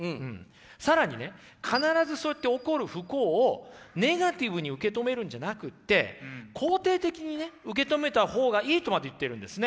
更にね必ずそうやって起こる不幸をネガティブに受け止めるんじゃなくて肯定的に受け止めた方がいいとまで言ってるんですね。